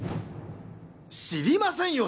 知りませんよ